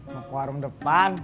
mau ke warung depan